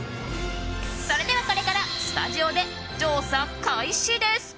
それではこれからスタジオで調査開始です！